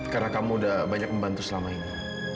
karena kamu udah banyak membantu selama ini